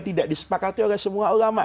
tidak disepakati oleh semua ulama